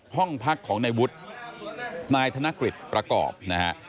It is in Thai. ห้องพักของนายวุฒินายธนกฤษประกอบนะฮะ